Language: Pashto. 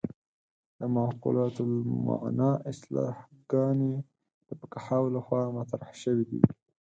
د معقولة المعنی اصطلاحګانې د فقهاوو له خوا مطرح شوې دي.